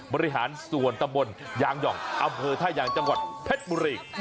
บริหารส่วนตำบลยางหย่องอำเภอท่ายางจังหวัดเพชรบุรี